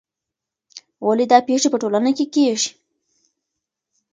ولې دا پېښې په ټولنه کې کیږي؟